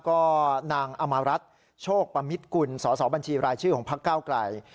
ก็นางอมรัฐโชคปมิตกุลสอสอบัญชีรายชื่อของพักเก้าไกล